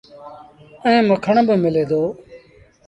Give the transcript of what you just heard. ائيٚݩ مکڻ با ملي دو۔